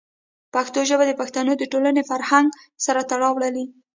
پښتو ژبه د پښتنو د ټولنې فرهنګ سره تړاو لري.